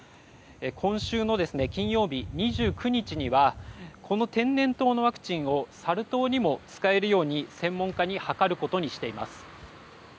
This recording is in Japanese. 今週の金曜日２９日にはこの天然痘のワクチンをサル痘にも使えるように専門家に諮ることにしています。